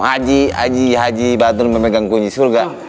haji haji haji badrun pemegang kunci surga